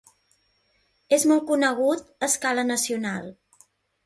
És molt conegut a escala nacional.